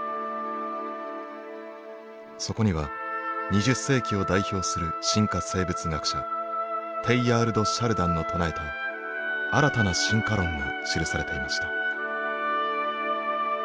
そこには２０世紀を代表する進化生物学者テイヤール・ド・シャルダンの唱えた新たな進化論が記されていました。